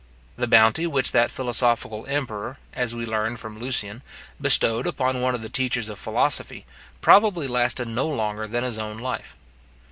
The bounty which that philosophical emperor, as we learn from Lucian, bestowed upon one of the teachers of philosophy, probably lasted no longer than his own life.